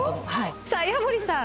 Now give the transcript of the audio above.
さあ矢守さん